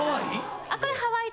・これハワイ？